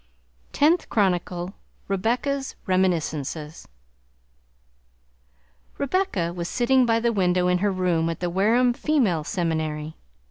Tenth Chronicle. REBECCA'S REMINISCENCES Rebecca was sitting by the window in her room at the Wareham Female Seminary.